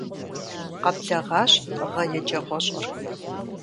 Къэблэгъащ гъэ еджэгъуэщIэр.